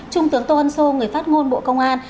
trung tướng tô ân sô người phát ngôn bộ công an